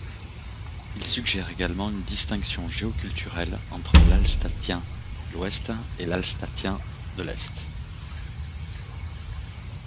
Il suggère également une distinction géoculturelle entre l'hallstattien de l'ouest et l'hallstattien de l'est.